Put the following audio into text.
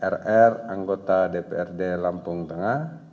rr anggota dprd lampung tengah